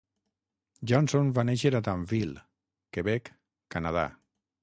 Johnson va néixer a Danville, Quebec, Canadà.